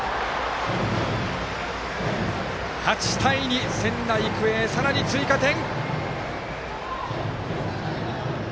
８対２、仙台育英さらに追加点！